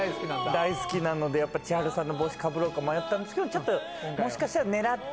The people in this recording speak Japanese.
大好きなのでやっぱ千春さんの帽子かぶろうか迷ったんですけどちょっと。